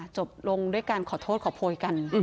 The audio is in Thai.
จบลงด้วยการขอโทษขอโพยกัน